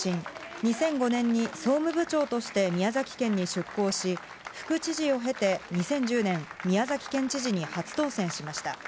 ２００５年に総務部長として宮崎県に出向し、副知事を経て、２０１０年、宮崎県知事に初当選しました。